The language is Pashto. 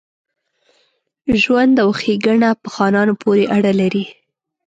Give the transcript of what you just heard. ژوند او ښېګڼه په خانانو پوري اړه لري.